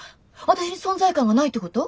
私に存在感がないってこと？